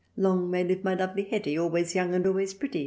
Long may live my lovely Hetty ! Always young and always pretty.